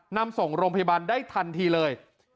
นำส่งโรงพยาบาลได้ทันทีเลย